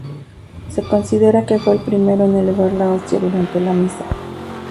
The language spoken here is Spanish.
Se considera que fue el primero en elevar la hostia durante la misa.